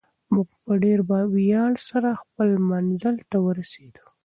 موږ په ډېر ویاړ سره خپل منزل ته ورسېدو.